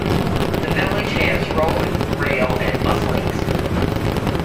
The village has road, rail and bus links.